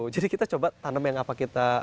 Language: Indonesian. jadi kita coba tanam yang apa kita